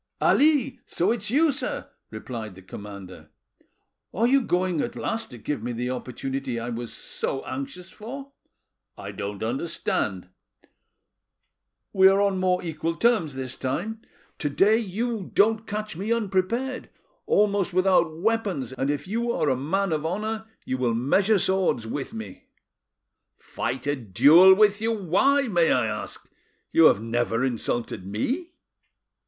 "Ali! so it's you, sir," replied the commander. "Are you going at last to give me the opportunity I was so anxious for?" "I don't understand." "We are on more equal terms this time; to day you don't catch me unprepared, almost without weapons, and if you are a man of honour you will measure swords with me." "Fight a duel with you! why, may I ask? You have never insulted me."